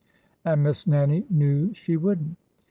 And Miss Nannie knew she would n't.